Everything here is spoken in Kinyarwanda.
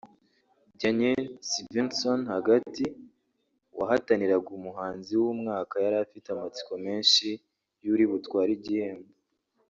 Daniel Svensson(hagati) wahataniraga umuhanzi w'umwaka yari afite amatsiko menshi y'uri butware igihembo